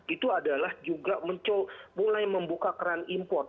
itu adalah juga mulai membuka keran import